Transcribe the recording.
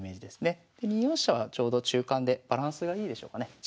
で２四飛車はちょうど中間でバランスがいいでしょうかね。